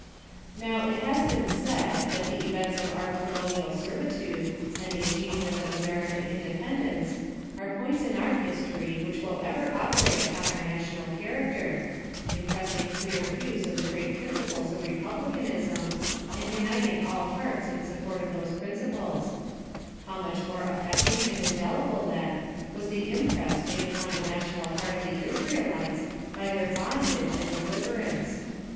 Now, it has been said, that the events of our colo nial servitude, and the achievement of American independence, are points in our history which will ever operate upon our national character, impress 56 PHILOSOPHY OF THE ing Clear views of the groat principles of Republi canism, and uniting all hearts in support of those principles : —how much more affecting and indeli ble, then, was the impress made upon the national neart of the Israelites by their bondage and deliver ance